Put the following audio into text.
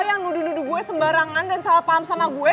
yang nudu nudu gue sembarangan dan salah paham sama gue